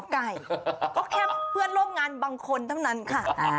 ไก่ก็แค่เพื่อนร่วมงานบางคนเท่านั้นค่ะ